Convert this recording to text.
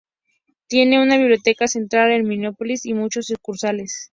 Tiene una biblioteca central en Minneapolis y muchos sucursales.